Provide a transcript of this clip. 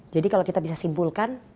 jadi kalau kita bisa simpulkan